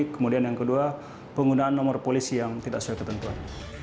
kemudian yang kedua penggunaan nomor polisi yang tidak sesuai ketentuan